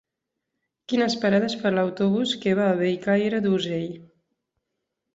Quines parades fa l'autobús que va a Bellcaire d'Urgell?